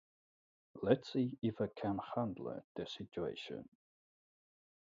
Let's see if he can handle the situation.